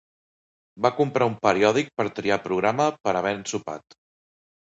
Va comprar un periòdic per a triar programa per havent sopat.